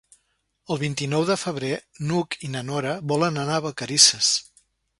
El vint-i-nou de febrer n'Hug i na Nora volen anar a Vacarisses.